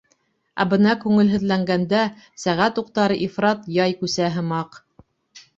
Ә бына күңелһеҙләнгәндә, сәғәт уҡтары ифрат яй күсә һымаҡ.